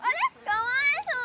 かわいそう。